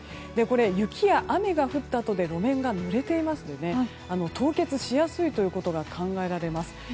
雪や雨が降ったあとで路面がぬれていますので凍結しやすいことが考えられます。